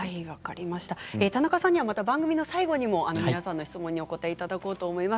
田中さんには番組の最後にも皆さんの質問にお答えいただきます。